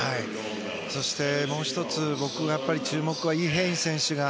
そして、もう１つ僕の注目はイ・ヘイン選手。